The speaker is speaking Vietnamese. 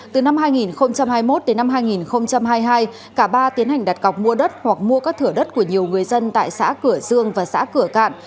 từ năm hai nghìn hai mươi một đến năm hai nghìn hai mươi hai cả ba tiến hành đặt cọc mua đất hoặc mua các thửa đất của nhiều người dân tại xã cửa dương và xã cửa cạn